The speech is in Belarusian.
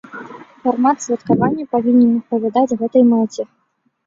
Фармат святкавання павінен адпавядаць гэтай мэце.